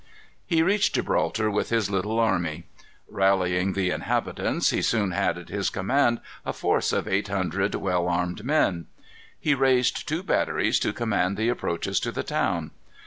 He reached Gibraltar with his little army. Rallying the inhabitants, he soon had at his command a force of eight hundred well armed men. He raised two batteries to command the approaches to the town.